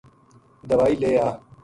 دوائی لے آ“